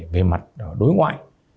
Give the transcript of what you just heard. về mặt đối ngoại